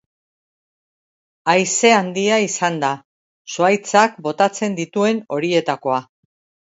Haize handia izan da, zuhaitzak botatzen dituen horietakoa.